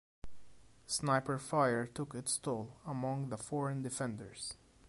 Sniper fire took its toll among the foreign defenders.